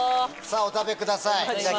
お食べください。